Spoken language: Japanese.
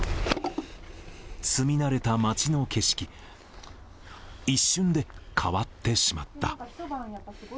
住みなれた街の景色、一瞬で変わってしまった。